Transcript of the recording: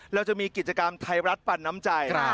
เราจะมีกิจกรรมไทยรัฐปันน้ำใจ